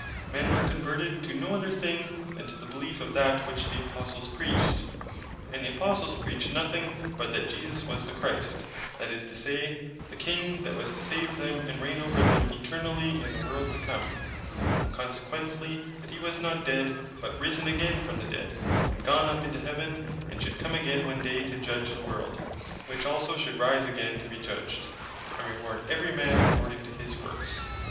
Men were converted to no other thing then to the Beleef of that which the Apostles preached: And the Apostles preached nothing, but that Jesus was the Christ, that is to say, the King that was to save them, and reign over them eternally in the world to come; and consequently that hee was not dead, but risen again from the dead, and gone up into Heaven, and should come again one day to judg the world, (which also should rise again to be judged,) and reward every man according to his works.